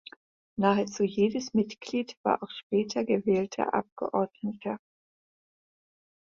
Nahezu jedes Mitglied war auch später gewählter Abgeordneter.